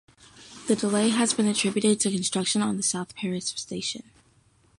The delay has been attributed to construction on the South Perris station.